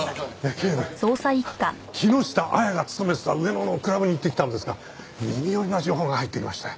警部木下亜矢が勤めてた上野のクラブに行ってきたんですが耳寄りな情報が入ってきましたよ。